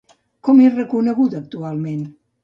Com és reconeguda actualment?